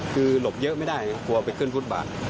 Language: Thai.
คือหลบเยอะไม่ได้กลัวไปขึ้นฟุตบาท